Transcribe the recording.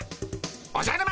おじゃる丸。